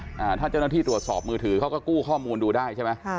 ถ้าเจ้าหน้าที่ตรวจสอบมือถือเขาก็กู้ข้อมูลดูได้ใช่ไหมค่ะ